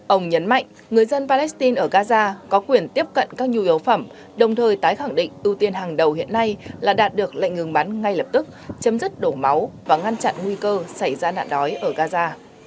ông nhấn mạnh người dân palestine ở gaza có quyền tiếp cận các nhu yếu phẩm đồng thời tái khẳng định ưu tiên hàng đầu hiện nay là đạt được lệnh ngừng bắn ngay lập tức chấm dứt đổ máu và ngăn chặn nguy cơ xảy ra nạn đói ở gaza